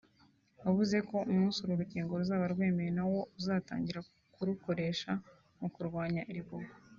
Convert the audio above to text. wavuze ko umunsi uru rukingo ruzaba rwemewe na wo uzatangira kurukoresha mu kurwanya Ebola